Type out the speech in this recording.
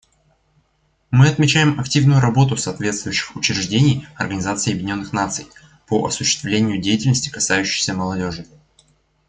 Мы отмечаем активную работу соответствующих учреждений Организации Объединенных Наций по осуществлению деятельности, касающейся молодежи.